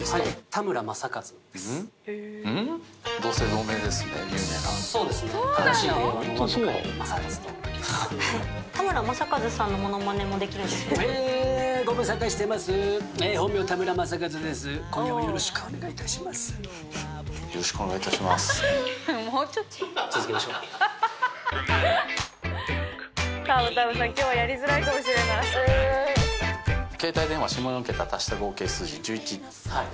たむたむさん今日はやりづらいかもしれない。